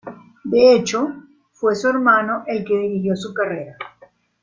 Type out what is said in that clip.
De hecho, fue su hermano el que dirigió su carrera.